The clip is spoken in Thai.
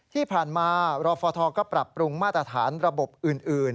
ที่ผ่านมารฟทก็ปรับปรุงมาตรฐานระบบอื่น